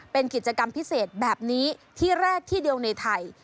เป็นกิจกรรมพิเศษแบบนี้ที่แรกที่เดียวในไทย